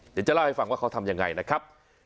เดี๋ยวจะเล่าให้ฟังว่าเขาทำยังไงนะครับ